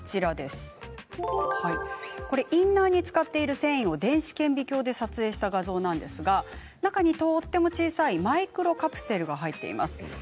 インナーに使っている繊維を電子顕微鏡で撮影した画像なんですが中にとても小さいマイクロカプセルが入っています。